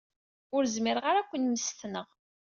Ur zmireɣ ara ad ken-mmestneɣ.